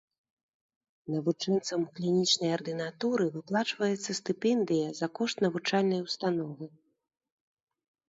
Навучэнцам клінічнай ардынатуры выплачваецца стыпендыя за кошт навучальнай установы.